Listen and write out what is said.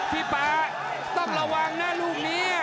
พี่ป่าต้องระวังนะลูกเมีย